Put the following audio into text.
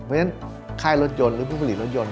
เพราะฉะนั้นค่ายรถยนต์หรือผู้ผลิตรถยนต